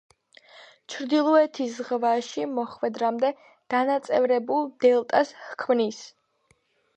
ჩრდილოეთის ზღვაში მოხვედრამდე დანაწევრებულ დელტას ჰქმნის.